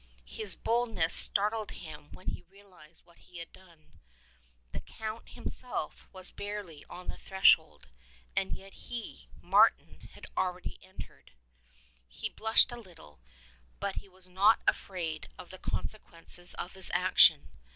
His bold ness startled him when he realized what he had done. The Count himself was barely on the threshold, and yet he, Martin, had already entered. He blushed a little, but he was not afraid of the consequences of his action.